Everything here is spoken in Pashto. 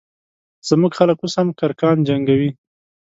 زموږ خلک اوس هم کرکان جنګوي